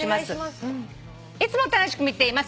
「いつも楽しく見ています」